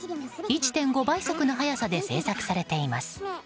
１．５倍速の速さで制作されています。